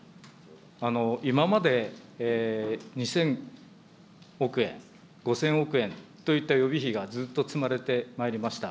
今まで２０００億円、５０００億円といった予備費がずっと積まれてまいりました。